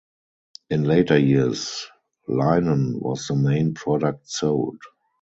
In later years, linen was the main product sold.